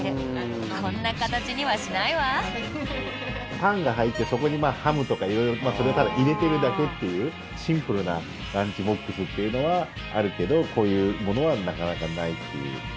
パンが入ってそこにハムとか色々それをただ入れてるだけっていうシンプルなランチボックスっていうのはあるけどこういうものはなかなかないっていう。